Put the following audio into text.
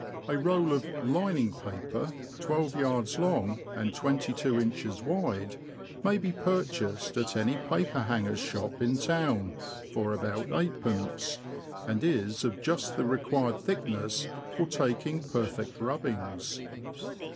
A roll of "lining paper," 12yds. long THE LAND OF THE BROADS. and 22in. wide, may be purchased at any paper hanger's shop in town, for about eightpence, and is of just the required thickness for taking perfect rubbings.